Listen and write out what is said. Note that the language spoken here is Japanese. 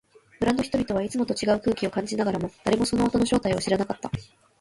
村の人々はいつもと違う空気を感じながらも、誰もその音の正体を知らなかった。